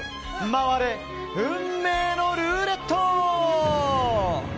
回れ、運命のルーレット！